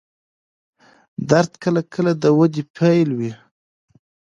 درد کله کله د وده پیل وي.